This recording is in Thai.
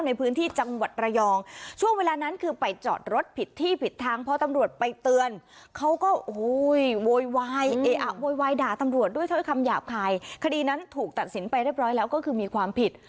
แต่ครอบครัวเองทำไปเรียบร้อยแล้วก็คือมีความผิด